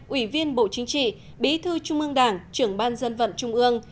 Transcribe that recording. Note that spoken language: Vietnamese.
ủy viên bộ chính trị bí thư trung ương đảng trưởng ban dân vận trung ương